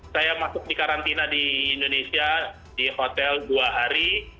saya masuk di karantina di indonesia di hotel dua hari